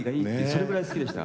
それぐらい好きでした。